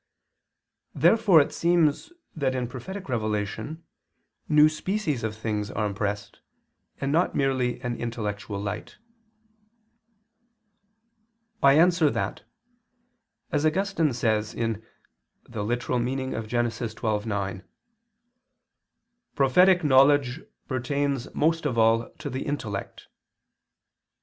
Therefore it seems that in prophetic revelation new species of things are impressed, and not merely an intellectual light. I answer that, As Augustine says (Gen. ad lit. xii, 9), "prophetic knowledge pertains most of all to the intellect."